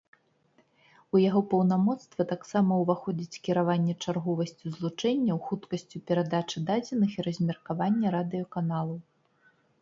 У яго паўнамоцтва таксама ўваходзіць кіраванне чарговасцю злучэнняў, хуткасцю перадачы дадзеных і размеркаванне радыёканалаў.